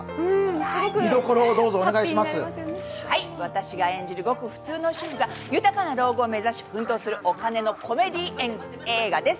私が演じるごく普通の主婦が豊かな老後を目指し奮闘する、お金のコメディー映画です。